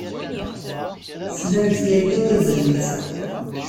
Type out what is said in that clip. Slant yagi i tezlit-a.